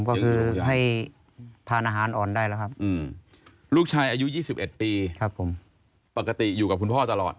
ก็คือให้ทานอาหารอ่อนได้แล้วครับลูกชายอายุ๒๑ปีครับผมปกติอยู่กับคุณพ่อตลอด